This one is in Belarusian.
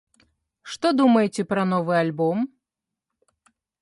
Што думаеце пра новы альбом?